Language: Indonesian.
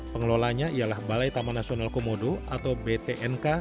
pengelolanya ialah balai taman nasional komodo atau btnk